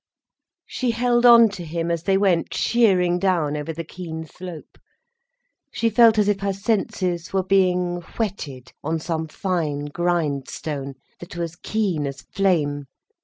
She held on to him as they went sheering down over the keen slope. She felt as if her senses were being whetted on some fine grindstone, that was keen as flame.